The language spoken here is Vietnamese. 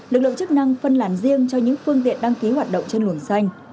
lực lượng chức năng phân làn riêng cho những phương tiện đăng ký hoạt động trên luồng xanh